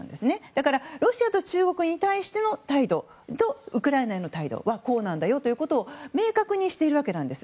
だからロシアと中国に対しての態度とウクライナへの態度はこうなんだよと明確にしているわけなんです。